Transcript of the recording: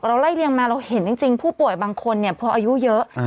ไล่เรียงมาเราเห็นจริงผู้ป่วยบางคนเนี่ยพออายุเยอะ